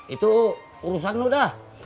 itu urusan lo dah